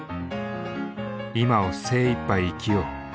今を精いっぱい生きよう。